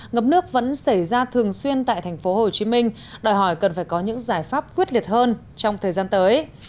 ngập nước vẫn xảy ra thường xuyên tại thành phố hồ chí minh đòi hỏi cần phải có những giải pháp quyết liệt hơn trong thời gian tới